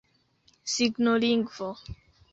signolingvo